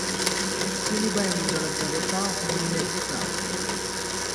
তিনি বায়ুমণ্ডলের দেবতা হনুমানের পিতা।